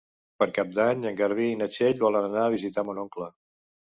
Per Cap d'Any en Garbí i na Txell volen anar a visitar mon oncle.